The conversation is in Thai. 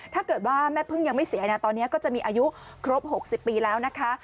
ถ้าเกิดว่าแม่พึ่งยังไม่เสียนะตอนนี้ก็จะมีอายุครบ๖๐ปีแล้วนะคะ